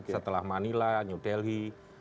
setelah manila new delhi